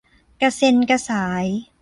กระเส็นกระสาย